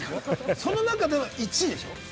その中で１位でしょ？